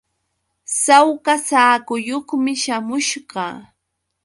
Sawka saakuyuqmi śhamusqa.